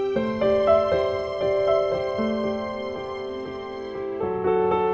jangan lupa di bilik starting